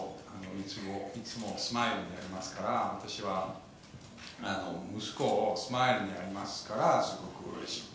「いつもいつもスマイルになりますから私は息子をスマイルになりますからすごくうれしい」